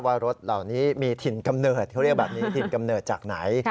ว่ารถเหล่านี้มีถิ่นกำเนิดเขาเรียกแบบนี้ถิ่นกำเนิดจากไหน